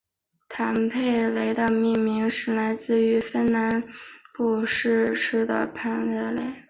坦佩雷的命名来自于芬兰南部城市坦佩雷。